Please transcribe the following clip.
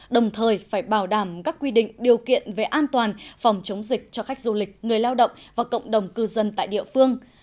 đồng thời phải bảo đảm các quy định điều kiện về an toàn phòng chống dịch cho khách du lịch người lao động và cộng đồng cư dân tại địa phương